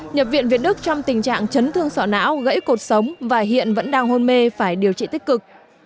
nhập viện việt đức trong tình trạng chấn thương sọ não gãy cột sống và hiện vẫn đang hôn mê phải điều trị tích cực